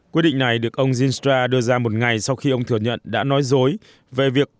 quyết định này được ông jinstra đưa ra một ngày sau khi ông thừa nhận đã nói dối về việc